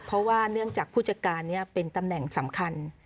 เพราะว่าเนื่องจากผู้จัดการนี้เป็นตำแหน่งสำคัญ